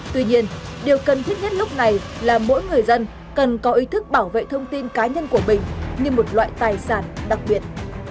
tuy nhiên điều cần thiết nhất lúc này là mỗi người dân cần có ý thức bảo vệ thông tin cá nhân của mình như một loại tài sản đặc biệt